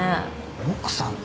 「奥さん」って。